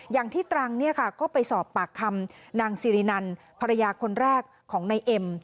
อย่างที่ตรังก็ไปสอบปากคำนางสิรินันภรรยาคนแรกของในเอ็ม